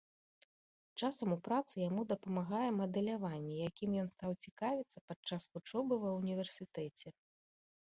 Часам у працы яму дапамагае мадэляванне, якім ён стаў цікавіцца падчас вучобы ва ўніверсітэце.